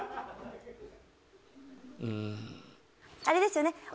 あれですよね。